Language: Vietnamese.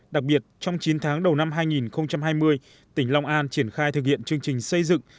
đặc biệt trong chín tháng đầu năm hai nghìn hai mươi tỉnh long an triển khai thực hiện chương trình xây dựng